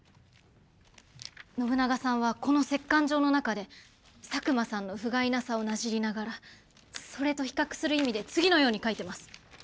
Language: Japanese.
信長さんはこの折かん状の中で佐久間さんのふがいなさをなじりながらそれと比較する意味で次のように書いてます。